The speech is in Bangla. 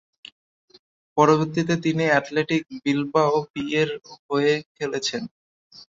পরবর্তীতে তিনি অ্যাথলেটিক বিলবাও বি-এর হয়ে খেলেছেন।